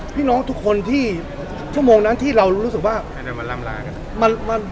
พี่น้องทุกคนที่ชั่วโมงนั้นที่เรารู้สึกว่ามันมัน